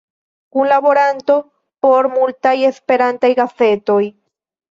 Kunlaboranto por multaj Esperantaj gazetoj.